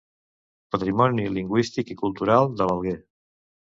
patrimoni lingüístic i cultural de l'Alguer